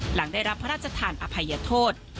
หลังได้รับพระราชทานอภัยโทษ